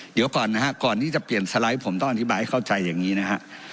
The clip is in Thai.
เดี๋ยวก่อนนะฮะก่อนที่จะเปลี่ยนสไลด์ผมต้องอธิบายให้เข้าใจอย่างนี้นะฮะ